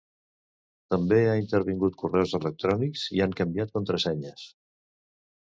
També han intervingut correus electrònics i han canviat contrasenyes.